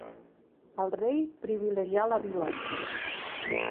El rei privilegià la vila.